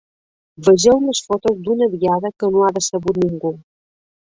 Vegeu les fotos d’una diada que no ha decebut ningú.